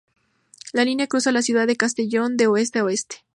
La línea cruza la ciudad de Castellón de oeste a este.